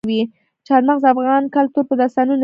چار مغز د افغان کلتور په داستانونو کې راځي.